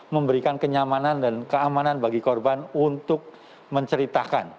memberikan kenyamanan dan keamanan bagi korban untuk menceritakan